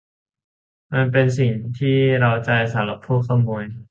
มันเป็นสิ่งที่เร้าใจสำหรับพวกขโมย